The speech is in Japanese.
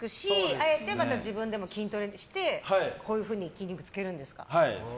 あえてまた自分でも筋トレしてこういうふうに筋肉つけるんですか。